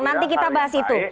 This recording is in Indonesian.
nanti kita bahas itu